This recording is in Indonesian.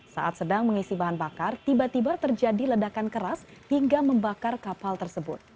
saat sedang mengisi bahan bakar tiba tiba terjadi ledakan keras hingga membakar kapal tersebut